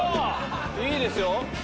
いいですよ！